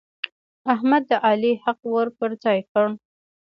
احمد د علي حق ور پر ځای کړ.